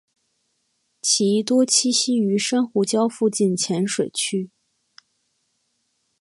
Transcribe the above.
其多栖息于珊瑚礁附近浅水区。